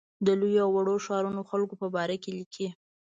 د لویو او وړو ښارونو خلکو په باره کې لیکي.